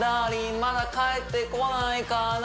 まだ帰ってこないかな